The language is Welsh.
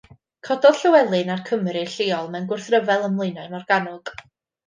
Cododd Llywelyn a'r Cymry lleol mewn gwrthryfel ym Mlaenau Morgannwg.